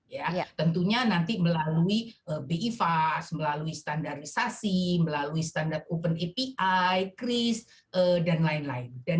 ya tentunya nanti melalui bi fas melalui standarisasi melalui standar open api kris dan lain lain